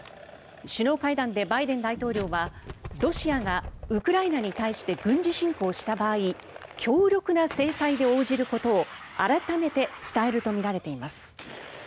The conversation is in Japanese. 首脳会談でバイデン大統領はロシアがウクライナに対して軍事侵攻した場合強力な制裁で応じることを改めて伝えるとみられています。